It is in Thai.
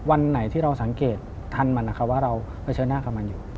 วันไหนที่เราสังเกตทันมันนะคะว่าเราเผชิญหน้ากับมันอยู่